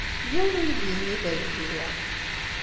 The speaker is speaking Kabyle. Yiwen ur iyi-d-yenni da ay telliḍ.